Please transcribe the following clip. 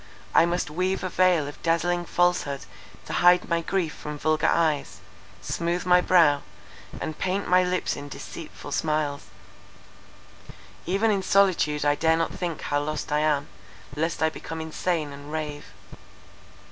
I must weave a veil of dazzling falsehood to hide my grief from vulgar eyes, smoothe my brow, and paint my lips in deceitful smiles—even in solitude I dare not think how lost I am, lest I become insane and rave."